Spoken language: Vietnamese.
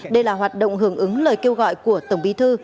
đây là hoạt động hưởng ứng lời kêu gọi của tổng bí thư